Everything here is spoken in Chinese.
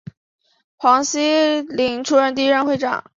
黄锡麟出任第一任会长。